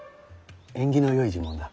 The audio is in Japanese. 縁起のよい呪文だ。